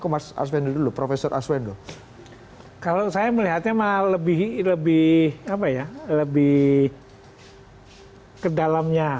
kalau saya melihatnya malah lebih lebih apa ya lebih kedalamnya